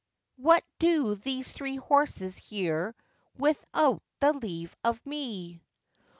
what do these three horses here, without the leave of me?